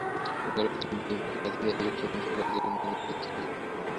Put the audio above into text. মঙ্গলবার তিনি বিএনপির প্রার্থী নজরুল ইসলাম মঞ্জুকে পরাজিত করে মেয়র নির্বাচিত হন।